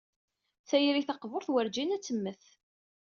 Tayri taqburt werǧin ad temmet.